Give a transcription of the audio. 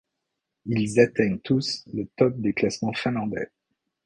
Ils atteignent tous le top des classements finlandais.